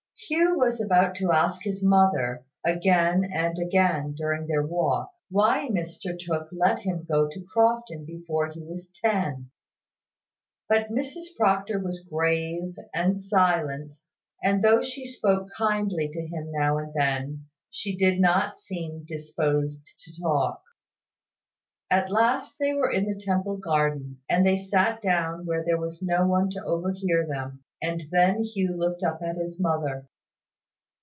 Hugh was about to ask his mother, again and again during their walk, why Mr Tooke let him go to Crofton before he was ten; but Mrs Proctor was grave and silent; and though she spoke kindly to him now and then, she did not seem disposed to talk. At last they were in the Temple Garden; and they sat down where there was no one to overhear them; and then Hugh looked up at his mother.